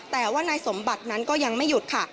แต่ว่านายสมบัตินั้นก็ยังไม่หยุดค่ะ